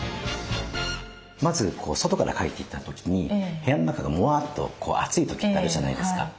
まず外から帰ってきた時に部屋の中がモワと暑い時ってあるじゃないですか。